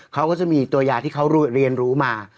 เขาก็จะมีตัวยาที่เขาเรียนรู้มา